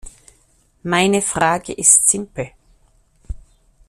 Meine Frage ist simpel.